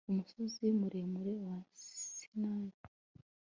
umusozi muremure wasinayi